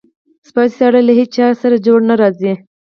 سپی سړی له هېچاسره جوړ نه راځي.